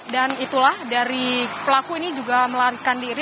dan itulah dari pelaku ini juga melarikan diri